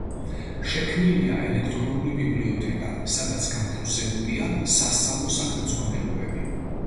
შექმნილია ელექტრონული ბიბლიოთეკა, სადაც განთავსებულია სასწავლო სახელმძღვანელოები.